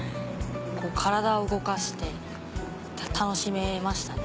体を動かして楽しめました。